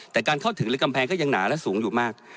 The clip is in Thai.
แต่การเข้าถึงหรือกำแพงก็ยังหนาและสูงอยู่มาก